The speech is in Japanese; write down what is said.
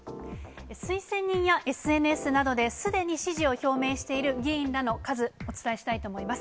推薦人やＳＮＳなどですでに支持を表明している議員らの数、お伝えしたいと思います。